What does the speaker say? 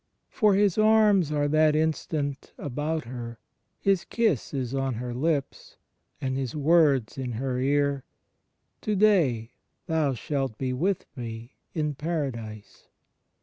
For His arms are that instant about her. His kiss is on her lips, and His Words in her ear — "To day thou shalt be with me in Paradise!"